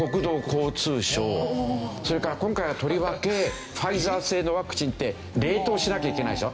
それから今回はとりわけファイザー製のワクチンって冷凍しなきゃいけないでしょ。